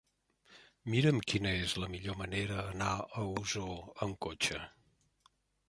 Mira'm quina és la millor manera d'anar a Osor amb cotxe.